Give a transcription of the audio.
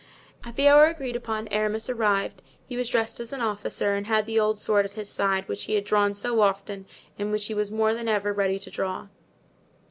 At the hour agreed upon Aramis arrived; he was dressed as an officer and had the old sword at his side which he had drawn so often and which he was more than ever ready to draw.